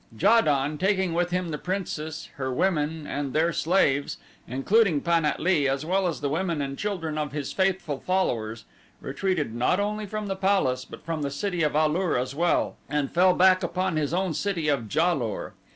Ja don, taking with him the princess, her women, and their slaves, including Pan at lee, as well as the women and children of his faithful followers, retreated not only from the palace but from the city of A lur as well and fell back upon his own city of Ja lur.